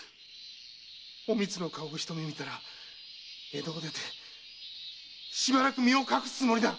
お光の顔を一目見たら江戸を出てしばらく身を隠すつもりだ！